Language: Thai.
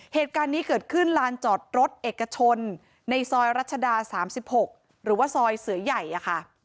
เหตุการณ์นี้เกิดขึ้นลานจอดรถเอกชนในซอยรัชดา๓๖หรือว่าซอยเสือใหญ่อะค่ะ